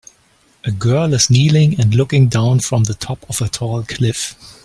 A girl is kneeling and looking down from the top of a tall cliff.